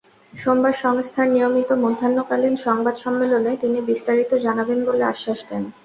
সোমবার সংস্থার নিয়মিত মধ্যাহ্নকালীন সংবাদ সম্মেলনে তিনি বিস্তারিত জানাবেন বলে আশ্বাস দেন।